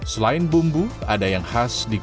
selain bumbu ada yang khas dikulitkan